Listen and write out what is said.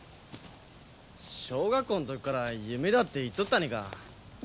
小学校の時から夢だって言っとったにか。